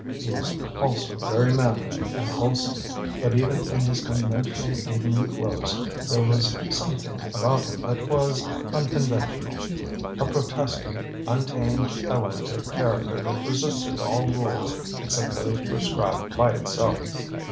He was also very manly and wholesome, but even in his conventional evening clothes there was something about him that was unconventional a protesting, untamed element of character that resisted all rules except those prescribed by itself.